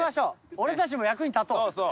俺たちも役に立とう。